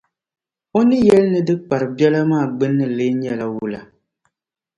O ni yɛli ni di kpari biɛla maa gbinni lee nyɛla wula?